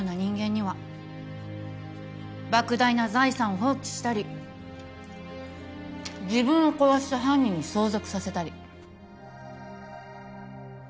莫大な財産を放棄したり自分を殺した犯人に相続させたり。